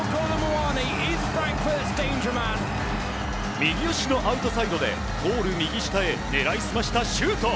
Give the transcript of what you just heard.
右足のアウトサイドでゴール右下へ狙い澄ましたシュート！